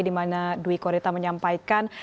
dimana dwi korita menyampaikan